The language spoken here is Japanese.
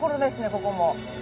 ここも。